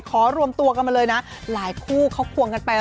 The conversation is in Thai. รวมตัวกันมาเลยนะหลายคู่เขาควงกันไป